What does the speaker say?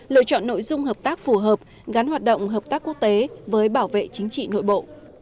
lựa chọn nội dung hợp tác phù hợp gắn hoạt động hợp tác quốc tế với bảo vệ chính trị nội bộ